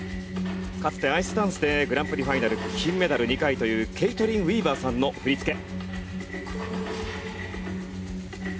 かつてアイスダンスでグランプリファイナル金メダル２回というケイトリン・ウィーバーさんの振り付け。